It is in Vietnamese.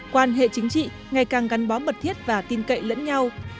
quan hệ chính trị ngày càng gắn bó mật thiết và tin cậy lẫn nhau